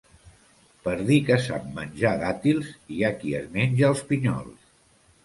Per dir que sap menjar dàtils, hi ha qui es menja els pinyols.